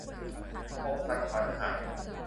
อกสั่นขวัญหาย